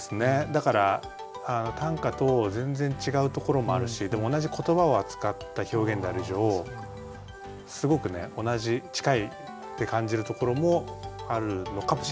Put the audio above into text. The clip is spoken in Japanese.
だから短歌と全然違うところもあるしでも同じ言葉を扱った表現である以上すごくね同じ近いって感じるところもあるのかもしれない。